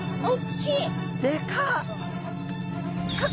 でかっ！